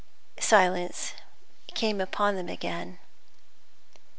Silence came upon them again.